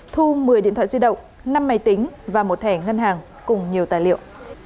thu một mươi điện thoại di động năm máy tính và một thẻ ngân hàng cùng nhiều tài liệu